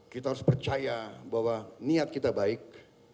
kita harus percaya bahwa niat kita baik